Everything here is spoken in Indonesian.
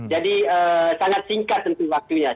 jadi sangat singkat tentu waktunya